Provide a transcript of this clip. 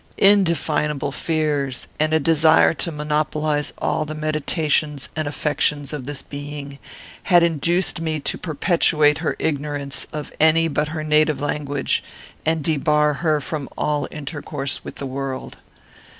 "Indefinable fears, and a desire to monopolize all the meditations and affections of this being, had induced me to perpetuate her ignorance of any but her native language, and debar her from all intercourse with the world.